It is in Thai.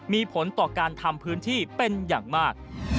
มีผลต่อการทำพื้นที่เป็นอย่างมาก